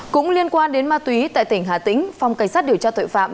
cũng liên quan đến ma túy tại tỉnh hà tĩnh phòng cảnh sát điều tra tội phạm